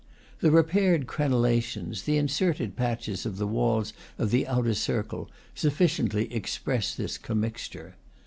The repaired crenella tions, the inserted patches, of the walls of the outer circle sufficiently express this commixture.